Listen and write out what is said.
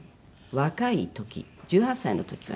「若い時１８歳の時はね